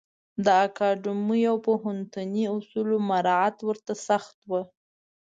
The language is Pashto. د اکاډمیو او پوهنتوني اصولو مرعات ورته سخت و.